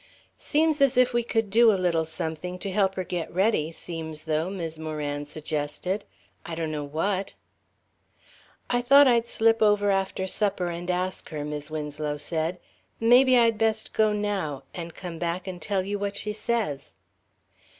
"Seems as if we could do a little something to help her get ready, seem's though," Mis' Moran suggested; "I donno what." "I thought I'd slip over after supper and ask her," Mis' Winslow said; "maybe I'd best go now and come back and tell you what she says."